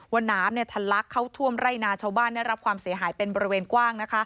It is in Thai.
ว่าน้ำทะลักเข้าท่วมไร่นาชาวบ้านได้รับความเสียหายเป็นบริเวณกว้าง